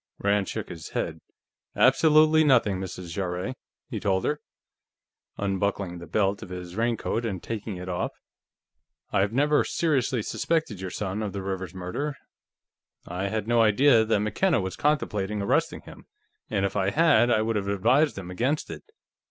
Rand shook his head. "Absolutely nothing, Mrs. Jarrett," he told her, unbuckling the belt of his raincoat and taking it off. "I have never seriously suspected your son of the Rivers murder, I had no idea that McKenna was contemplating arresting him, and if I had, I would have advised him against it.